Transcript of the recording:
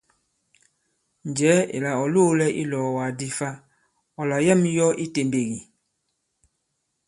Njɛ̀ɛ ìlà ɔ̀ loōlɛ i ilɔ̀ɔ̀wàk di fa, ɔ̀ làyɛ᷇m yɔ i itèmbèk ì?